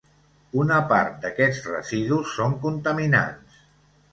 Una part d'aquests residus són contaminants.